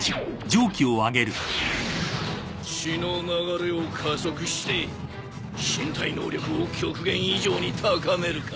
血の流れを加速して身体能力を極限以上に高めるか。